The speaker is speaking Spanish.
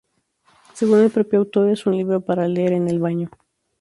Según el propio autor, "es un libro para leer en el baño".